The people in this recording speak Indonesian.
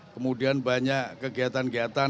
kemudian banyak kegiatan kegiatan